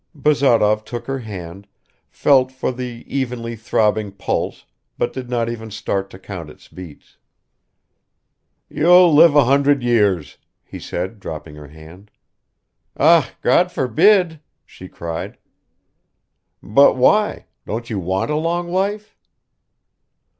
Bazarov took her hand, felt for the evenly throbbing pulse but did not even start to count its beats. "You'll live a hundred years," he said, dropping her hand. "Ah, God forbid!" she cried. "But why? Don't you want a long life?"